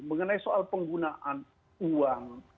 mengenai soal penggunaan uang